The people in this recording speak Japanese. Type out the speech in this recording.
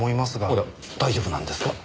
おや大丈夫なんですか？